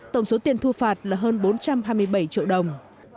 tổng số tiền thu phạt là hơn bốn trăm hai mươi bảy triệu đồng